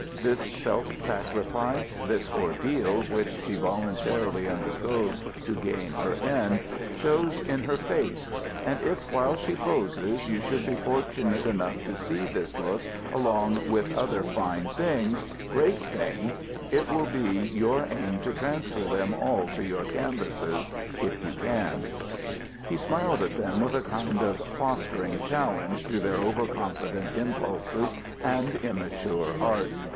This self sacrifice, this ordeal which she voluntarily undergoes to gain her end, shows in her face; and if while she poses, you should be fortunate enough to see this look along with other fine things, great things, it will be your aim to transfer them all to your canvases if you can." He smiled at them with a kind of fostering challenge to their over confident impulses and immature art.